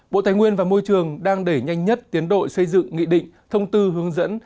bộ tài nguyên và môi trường đang đẩy nhanh nhất tiến đội xây dựng nghị định thông tư hướng dẫn